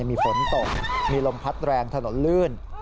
มีฝนตกมีลมพัดแรงถนนลื่น